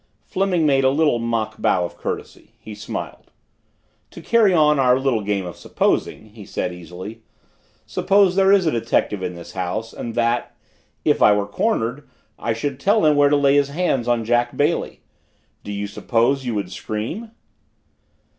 Fleming made a little mock bow of courtesy. He smiled. "To carry on our little game of supposing," he said easily, "suppose there is a detective in this house and that, if I were cornered, I should tell him where to lay his hands on Jack Bailey. Do you suppose you would scream?"